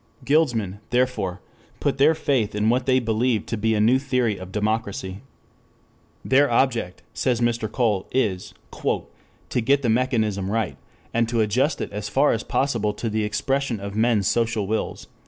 Guildsmen, therefore, put their faith in what they believe to be a new theory of democracy. Their object, says Mr. Cole, is "to get the mechanism right, and to adjust it as far as possible to the expression of men's social wills."